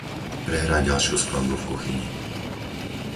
Prehraj ďalšiu skladbu v kuchyni.